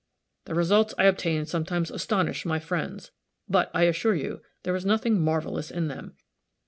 The results I obtain sometimes astonish my friends. But, I assure you, there is nothing marvelous in them.